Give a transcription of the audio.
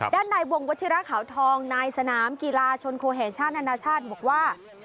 ด้านในวงวัชิระขาวทองนายสนามกีฬาชนโคแห่งชาติอนาชาติบอกว่า